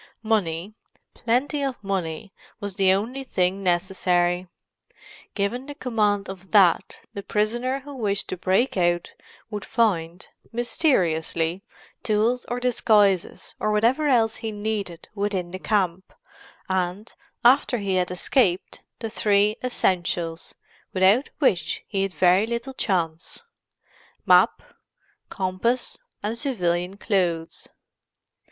Money—plenty of money—was the only thing necessary; given the command of that, the prisoner who wished to break out would find, mysteriously, tools or disguises, or whatever else he needed within the camp, and, after he had escaped, the three essentials, without which he had very little chance—map, compass, and civilian clothes.